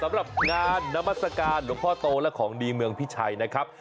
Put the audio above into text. สำหรับงานนามัศกาลหลวงพ่อโตและของดีเมืองพิชัยนะครับ